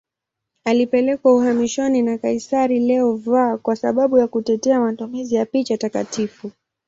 Alipelekwa uhamishoni na kaisari Leo V kwa sababu ya kutetea matumizi ya picha takatifu.